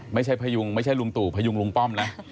พยุงไม่ใช่ลุงตู่พยุงลุงป้อมนะ